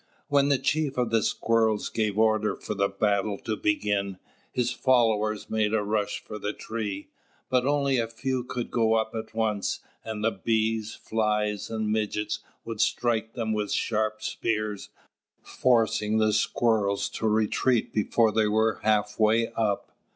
When the chief of the Squirrels gave orders for the battle to begin, his followers made a rush for the tree, but only a few could go up at once; and the Bees, Flies, and Midges would strike them with sharp spears, forcing the Squirrels to retreat before they were half way up.